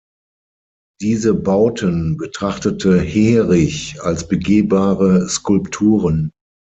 Diese Bauten betrachtete Heerich als begehbare Skulpturen.